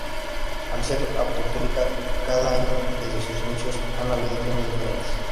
Al ser apolítica, cada año desde sus inicios ha habido temas diferentes.